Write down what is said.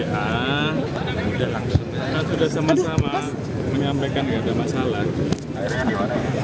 kita sudah sama sama menyampaikan tidak ada masalah